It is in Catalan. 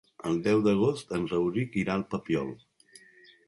El deu d'agost en Rauric irà al Papiol.